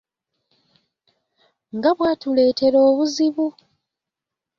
Nga bwatuleetera obuzibu!